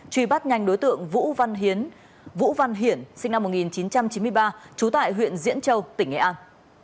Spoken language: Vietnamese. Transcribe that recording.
truy bắt nhanh đối tượng vũ văn hiển sinh năm một nghìn chín trăm chín mươi ba trú tại huyện diễn châu tỉnh nghệ an